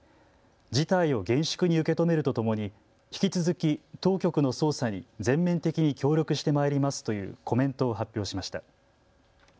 事態を厳粛に受け止めるとともに引き続き当局の捜査に全面的に協力してまいりますというコメントを発表しました。